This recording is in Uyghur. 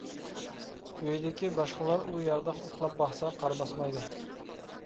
ئۆيدىكى باشقىلار ئۇ يەردە ئۇخلاپ باقسا قارا باسمايدۇ.